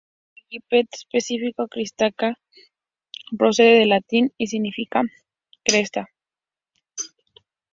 El epíteto específico "cristata" procede del latín y significa cresta.